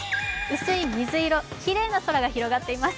薄い水色、きれいな空が広がっています。